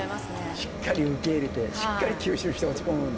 しっかり受け入れてしっかり吸収して落ち込むんだ。